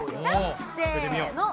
せの！